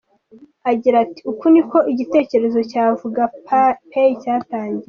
Agira ati “Uku ni ko igitekerezo cya VugaPay cyatangiye.